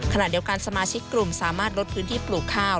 ขณะเดียวกันสมาชิกกลุ่มสามารถลดพื้นที่ปลูกข้าว